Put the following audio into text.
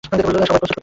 সবাই প্রস্তুত হচ্ছে।